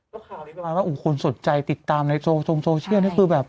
แล้วข่าวนี้เวลาแล้วคนสนใจติดตามในโซเชียลนี่คือแบบ